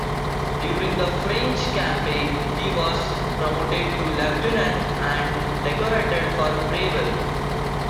During the French Campaign he was promoted to Leutnant and decorated for bravery.